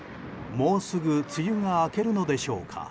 もうすぐ梅雨が明けるのでしょうか。